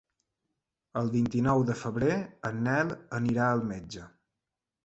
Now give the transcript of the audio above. El vint-i-nou de febrer en Nel anirà al metge.